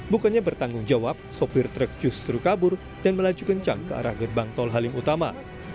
bukannya bertanggung jawab sopir truk justru kabur dan melaju kencang ke arah gerbang tol halim utama